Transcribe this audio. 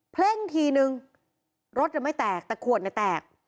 เพลงทีนึงรถจะไม่แตกแต่ขวดยังแตก